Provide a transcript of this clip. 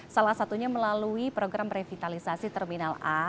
salah satunya melalui program revitalisasi terminal a